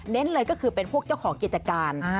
เลยก็คือเป็นพวกเจ้าของกิจการ